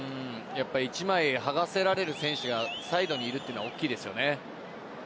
一枚剥がせられる選手がサイドにいるのは大きいですよね。